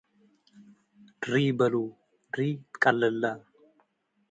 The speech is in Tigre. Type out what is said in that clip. “- ር” በሉ፣ - ር ትቀልለ።